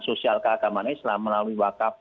sosial keagamaan islam melalui wakaf